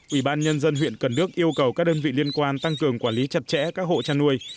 ủy ban nhân dân huyện cần đước yêu cầu các đơn vị liên quan tăng cường quản lý chặt chẽ các hộ chăn nuôi